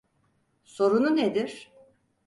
Sorunu nedir?